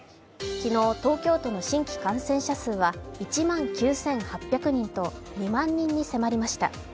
昨日、東京都の新規感染者数は１万９８００人と２万人に迫りました。